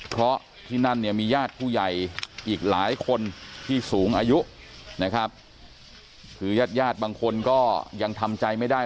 เพราะที่นั่นเนี่ยมีญาติผู้ใหญ่อีกหลายคนที่สูงอายุนะครับคือญาติญาติบางคนก็ยังทำใจไม่ได้